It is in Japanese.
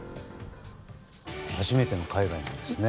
初めての海外なんですね。